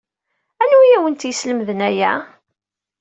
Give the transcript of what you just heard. Anwa ay awent-yeslemden aya?